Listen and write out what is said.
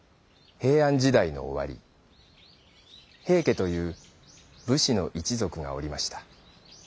平安時だいのおわり平家という武士の一ぞくがおりました。